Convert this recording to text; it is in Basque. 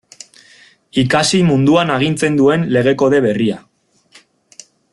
Ikasi munduan agintzen duen Lege Kode berria.